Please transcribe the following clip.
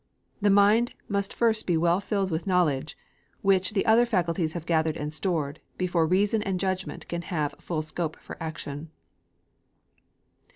The mind must first be well filled with knowledge, which the other faculties have gathered and stored, before reason and judgment can have full scope for action.